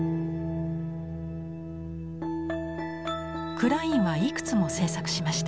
クラインはいくつも制作しました。